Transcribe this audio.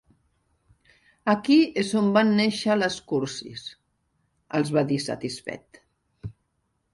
Aquí és on van néixer les cursis —els va dir, satisfet—.